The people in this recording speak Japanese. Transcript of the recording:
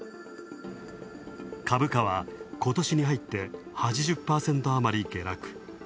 株価は今年に入って８０％あまり下落。